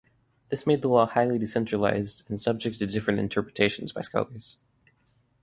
This made the law highly decentralized and subject to different interpretations by scholars.